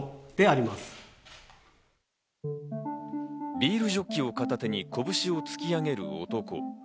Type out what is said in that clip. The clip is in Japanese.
ビールジョッキを片手に拳を突き上げる男。